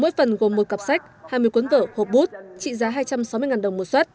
mỗi phần gồm một cặp sách hai mươi cuốn vở hộp bút trị giá hai trăm sáu mươi đồng một xuất